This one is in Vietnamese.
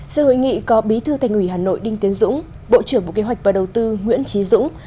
sự hội nghị có bí thư thành ủy hà nội đinh tiến dũng bộ trưởng bộ kế hoạch và đầu tư nguyễn trí dũng